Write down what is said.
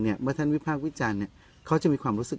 เนี้ยเมื่อท่านวิภาพวิจารณ์เนี้ยเขาจะมีความรู้สึก